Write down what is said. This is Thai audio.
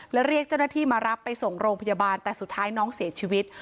และเรียกเจ้าหน้าที่มารับไปส่งโรงพยาบาลแต่สุดท้ายน้องเสียชีวิต